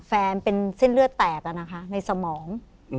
แฟนเป็นเส้นเลือดแตกในสมอง